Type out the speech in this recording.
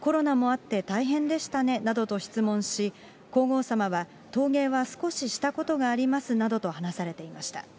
天皇陛下は、コロナもあって大変でしたねなどと質問し、皇后さまは、陶芸は少ししたことがありますなどと話されていました。